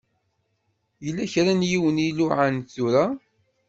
Yella kra n yiwen i d-iluɛan tura.